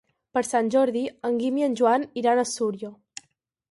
Per Sant Jordi en Guim i en Joan iran a Súria.